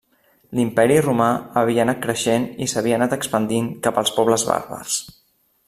L'Imperi romà havia anat creixent i s'havia anat expandint cap als pobles bàrbars.